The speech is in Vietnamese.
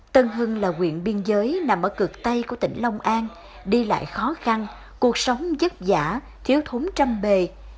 tân hưng là nguyện biên giới nằm ở cực tây của tỉnh long an đi lại khó khăn cuộc sống dứt dã thiếu thống trăm bề